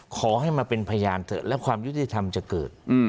ขอให้มาเป็นพยานเถอะและความยุติธรรมจะเกิด